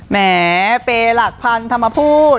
แหมเปรย์หลักพันธุ์ทำมาพูด